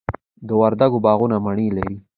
د وردګو باغونه مڼې لري.